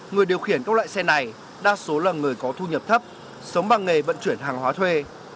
người điều khiển các loại xe này đa số là người có thu nhập thấp sống bằng nghề vận chuyển hàng hóa thuê